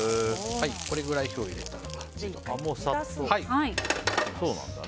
これくらい火を入れたら。